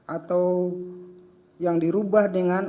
atau yang dirubah dengan